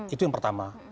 itu yang pertama